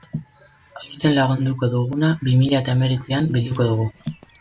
Aurten landuko duguna bi mila eta hemeretzian bilduko dugu.